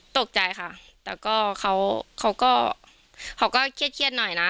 ตกใจค่ะแต่ก็เขาก็เขาก็เครียดเครียดหน่อยนะ